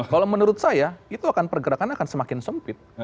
kalau menurut saya itu akan pergerakan akan semakin sempit